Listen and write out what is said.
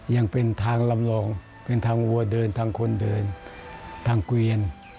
ยังเป็นทางลำลองเป็นทางวัวเดินทางคนเดินทางเกวียน